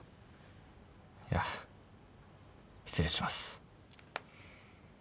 いや失礼します。